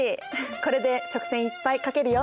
これで直線いっぱい書けるよ。